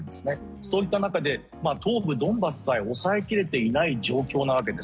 そういった中で東部ドンバスさえ押さえ切れていない状況なわけです。